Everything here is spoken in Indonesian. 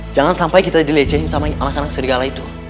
jangan sampai kita dilecehin sama anak anak segala itu